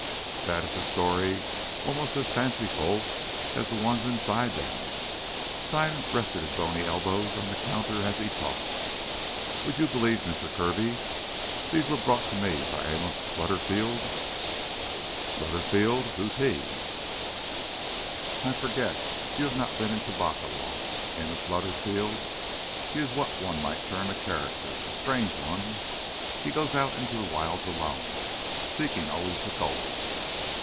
"That is a story almost as fanciful as the ones inside them." Stein rested his bony elbows on the counter as he talked. "Would you believe, Mister Kirby, these were brought to me by Amos Lutterfield?" "Lutterfield? Who's he?" "I forget, you have not been in Tubacca long. Amos Lutterfield—he is what one might term a character, a strange one. He goes out into the wilds alone, seeking always the gold."